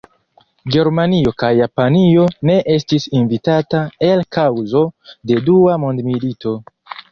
Germanio kaj Japanio ne estis invitata el kaŭzo de Dua mondmilito.